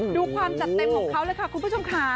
ดูความจัดเต็มของเขาเลยค่ะคุณผู้ชมค่ะ